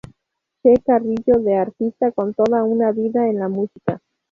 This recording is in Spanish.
Che Carrillo de artista con toda una vida en la música.